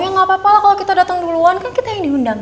ya gapapa lah kalo kita dateng duluan kan kita yang diundang